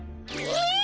え！？